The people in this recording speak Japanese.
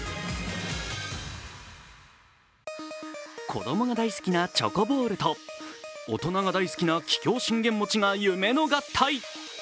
子供が大好きなチョコボールと大人が大好きな桔梗信玄餅が夢の合体。